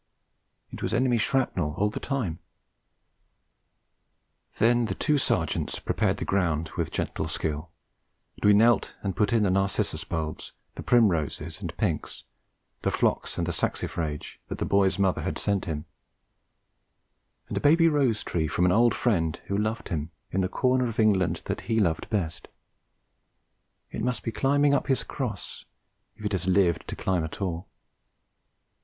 It was enemy shrapnel all the time. Then the two Sergeants prepared the ground with gentle skill; and we knelt and put in the narcissus bulbs, the primroses and pinks, the phlox and the saxifrage, that the boy's mother had sent him; and a baby rose tree from an old friend who loved him, in the corner of England that he loved best; it must be climbing up his cross, if it has lived to climb at all.